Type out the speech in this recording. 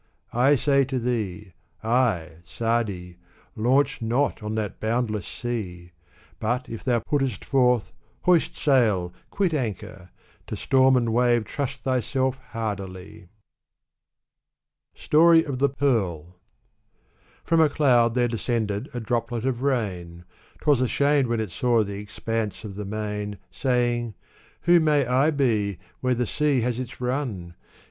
I say to thee — I J Sa'di — launch not on that boundless Sea ! But, if thou puttest forth, hoist sail, quit anchor I To storm and wave trust thyself hardily ! Story of the PearlJ S?SxS^fe^^ a cloud there descended a droplet of rain ; ashamed when it saw the expanse of the main, ' Who may I be, where the sea has its nm ?